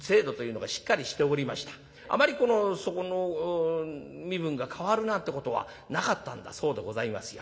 あまりそこの身分が変わるなんてことはなかったんだそうでございますよ。